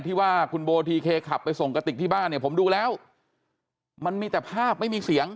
ที่ว่าคุณโบทีเคขับไปส่งกระติกที่บ้านเนี่ยผมดูแล้วมันมีแต่ภาพไม่มีเสียง